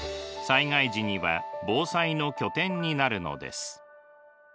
災害時には防災の拠点になるのです。